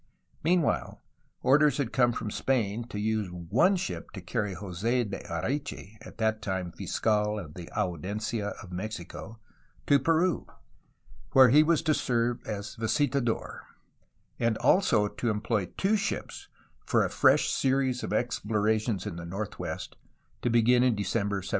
Meanwhile, orders had come from Spain to use one ship to carry Jose de Areche (at that time fiscal of the Audiencia of Mexico) to Peru, where he was to serve as visitador, and also to employ two ships for a fresh series of explorations in the northwest, to begin in December 1777.